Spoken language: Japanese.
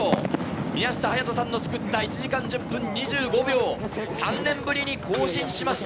宮下隼人さんの作った１時間１０分２５秒を３年ぶりに更新しました。